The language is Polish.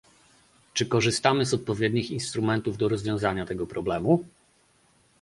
Czy korzystamy z odpowiednich instrumentów do rozwiązania tego problemu?